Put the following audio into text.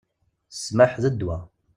Ssmaḥ, d ddwa!